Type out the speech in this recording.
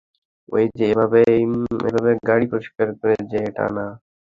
ঐযে এভাবে এভাবে গাড়ি পরিষ্কার করে যে, ওটা না?